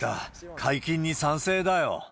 解禁に賛成だよ。